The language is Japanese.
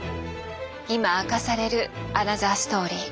今明かされるアナザーストーリー。